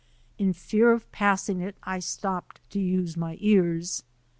In fear of passing it I stopped to use my ears.